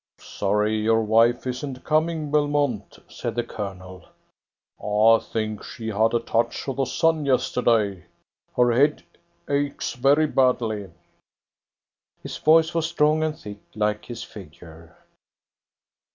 "Sorry your wife isn't coming, Belmont," said the Colonel. "I think she had a touch of the sun yesterday. Her head aches very badly." His voice was strong and thick like his figure.